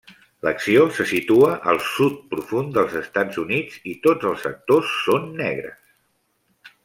L'acció se situa al sud profund dels Estats Units i tots els actors són negres.